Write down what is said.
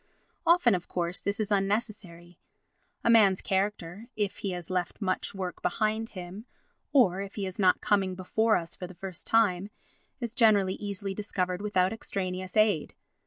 Often, of course, this is unnecessary; a man's character, if he has left much work behind him, or if he is not coming before us for the first time, is generally easily discovered without extraneous aid.